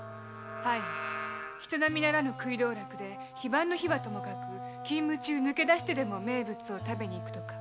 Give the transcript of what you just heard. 人並みならぬ食い道楽で非番の日はともかく勤務中抜け出してでも名物を食べに行くとか。